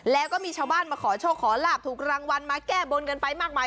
แล้วก็มีชาวบ้านมาขอโชคขอลาบถูกรางวัลมาแก้บนกันไปมากมาย